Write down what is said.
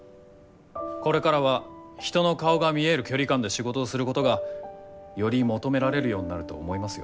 これからは人の顔が見える距離感で仕事をすることがより求められるようになると思いますよ。